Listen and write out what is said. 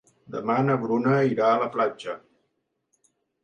Demà na Bruna irà a la platja.